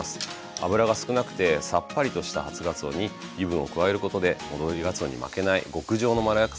脂が少なくてさっぱりとした初がつおに油分を加えることで戻りがつおに負けない極上のまろやかさに仕上げます。